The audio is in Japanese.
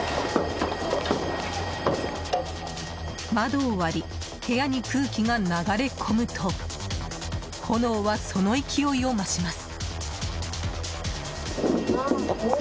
窓を割り部屋に空気が流れ込むと炎はその勢いを増します。